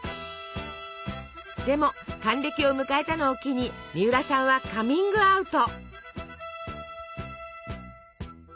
でも還暦を迎えたのを機にみうらさんはカミングアウト。